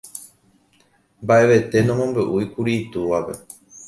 Mbaʼevete nomombeʼúikuri itúvape.